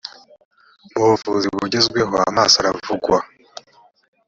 mu buvuzi bugezweho amaso aravugwa